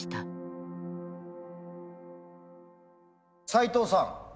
斎藤さん